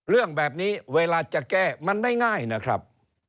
เรื่องแบบนี้เวลาจะแก้มันไม่ง่ายนะครับ